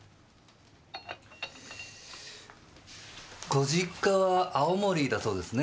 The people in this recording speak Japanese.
ご実家は青森だそうですね？